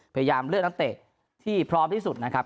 พยายามเลือกนักเตะที่พร้อมที่สุดนะครับ